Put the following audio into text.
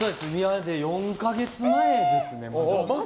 ４か月前ですね。